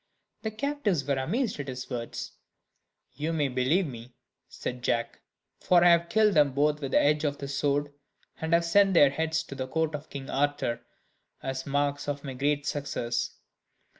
The captives were amazed at his words. "You may believe me," said Jack, "for I have killed them both with the edge of this sword, and have sent their large heads to the court of King Arthur, as marks of my great success."